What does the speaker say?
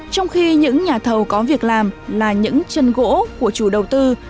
trong khi những nhà thầu có việc làm là những chân gỗ của chủ đầu tư